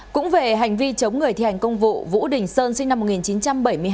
cũng về hành vi chống người thi hành công vụ vũ đình sơn sinh năm một nghìn chín trăm bảy mươi hai